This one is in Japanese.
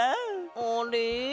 あれ？